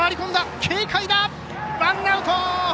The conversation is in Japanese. ワンアウト！